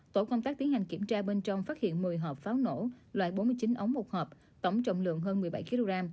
tổ công tác tiến hành kiểm tra bên trong phát hiện một mươi hộp pháo nổ loại bốn mươi chín ống một hợp tổng trọng lượng hơn một mươi bảy kg